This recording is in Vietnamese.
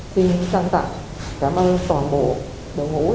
chúng tôi xin trang tặng cảm ơn toàn bộ đội ngũ